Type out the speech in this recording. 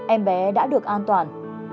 em bé đã được an toàn